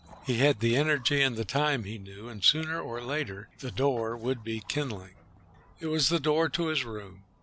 He had the energy and the time, he knew, and sooner or later the door would be kindling. It was the door to his room.